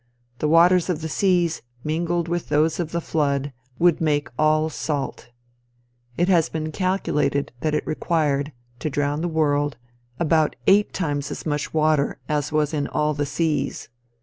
The waters of the seas, mingled with those of the flood, would make all salt. It has been calculated that it required, to drown the world, about eight times as much water as was in all the seas.